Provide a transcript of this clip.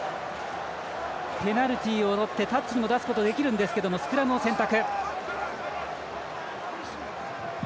ペナルティをとってタッチをとることもできるんですけどスクラムを選択。